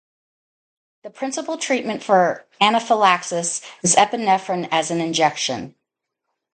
The principal treatment for anaphylaxis is epinephrine as an injection.